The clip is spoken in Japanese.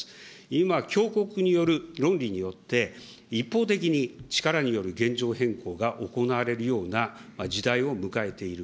今、強国による論理によって、一方的に力による現状変更が行われるような時代を迎えている。